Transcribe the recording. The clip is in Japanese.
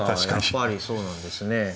やっぱりそうなんですね。